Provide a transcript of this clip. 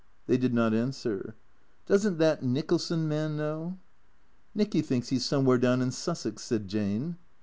They did not answer. "Doesn't that Nicholson man know?" "Nicky thinks he's somewhere down in Sussex/' said Jane.